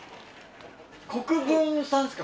国分さんですか？